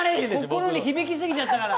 心に響き過ぎちゃったから。